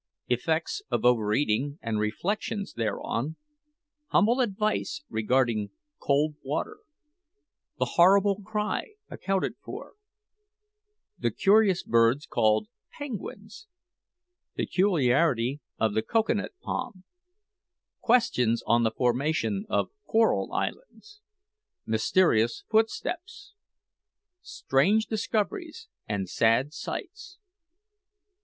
EFFECTS OF OVEREATING, AND REFLECTIONS THEREON HUMBLE ADVICE REGARDING COLD WATER THE "HORRIBLE CRY" ACCOUNTED FOR THE CURIOUS BIRDS CALLED PENGUINS PECULIARITY OF THE COCOA NUT PALM QUESTIONS ON THE FORMATION OF CORAL ISLANDS MYSTERIOUS FOOTSTEPS STRANGE DISCOVERIES AND SAD SIGHTS.